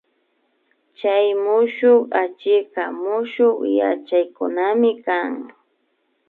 Chay mushuk achikka mushuk yachaykunami kan